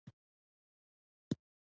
تیمور شاه اَوَد نواب وزیر ته هم لیک واستاوه.